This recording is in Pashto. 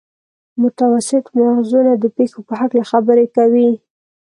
متوسط مغزونه د پېښو په هکله خبرې کوي.